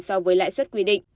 so với lãi suất quy định